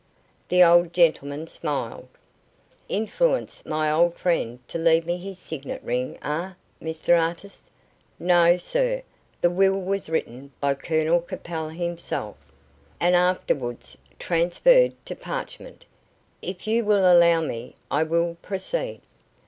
The old gentleman smiled. "Influenced my old friend to leave me his signet ring, eh, Mr Artis? No, sir, the will was written by Colonel Capel himself, and afterwards transferred to parchment. If you will allow me. I will proceed."